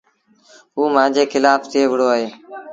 اوٚ مآݩجي کلآڦ ٿئي وهُڙو اهي۔